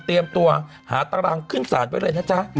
เตรียมตัวหาตรังขึ้นศาลไว้เลยนะจ๊ะ